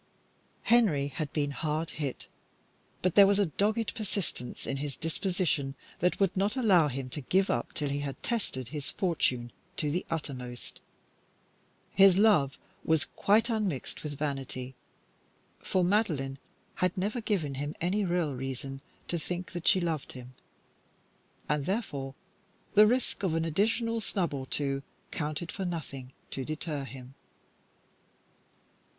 Henry had been hit hard, but there was a dogged persistence in his disposition that would not allow him to give up till he had tested his fortune to the uttermost. His love was quite unmixed with vanity, for Madeline had never given him any real reason to think that she loved him, and, therefore, the risk of an additional snub or two counted for nothing to deter him.